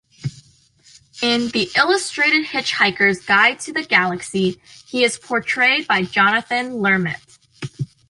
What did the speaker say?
In "The Illustrated Hitchhiker's Guide to the Galaxy", he is portrayed by Jonathan Lermit.